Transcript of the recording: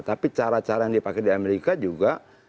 tapi cara cara yang dipakai di amerika juga